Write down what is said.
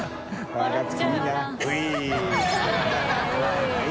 若槻）